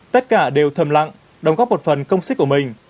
tất cả đều thầm lặng đồng góp một phần công sức của mình